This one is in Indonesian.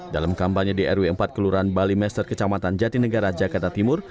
dalam kampanye drw empat keluran bali master kecamatan jatinegara jakarta timur